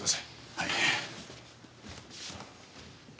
はい。